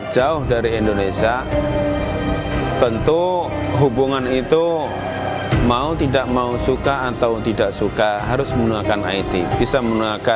jaringan bahru naim